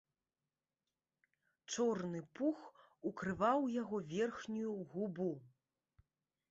Чорны пух укрываў яго верхнюю губу.